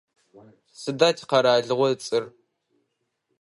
Сыда тикъэралыгъо ыцӏэр?